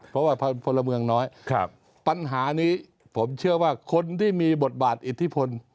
เพราะว่าพลเมืองน้อยปัญหานี้ผมเชื่อว่าคนที่มีบทบาทอิทธิพล